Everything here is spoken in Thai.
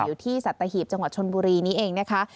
อยู่ที่สัตหีบจังหวัดชนบุรีนี้เองนะคะ